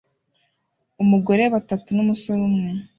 Umugore batatu numusore umwe